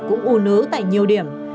cũng u nứ tại nhiều điểm